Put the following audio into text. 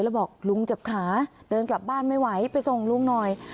แล้วบอกลุงเจ็บขาเดินกลับบ้านไม่ไหวไปส่งลุงหน่อย